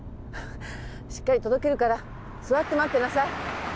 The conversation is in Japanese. しっかり届けるから座って待ってなさい